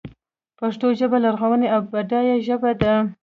پښتو ژبه لرغونۍ او بډایه ژبه ده.